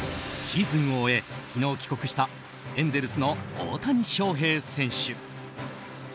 シーズンを終え昨日帰国したエンゼルスの大谷翔平選手。